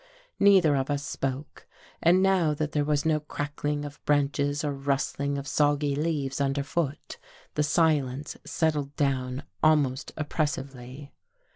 Neither of us spoke and now that there was no crackling of branches or rustling of soggy leaves under foot, the silence settled down almost oppress ively."